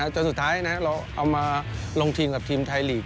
จนสุดท้ายเราเอามาลงทีมกับทีมไทยลีก